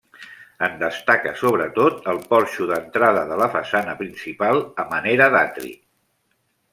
En destaca sobretot el porxo d'entrada de la façana principal, a manera d'atri.